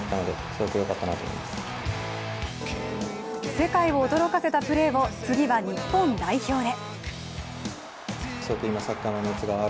世界を驚かせたプレーを次は日本代表で。